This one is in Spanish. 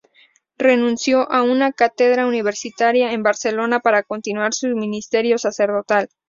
Renunció a una cátedra universitaria en Barcelona para continuar su ministerio sacerdotal.